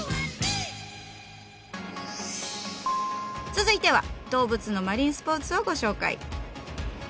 続いては動物のマリンスポーツをご紹介。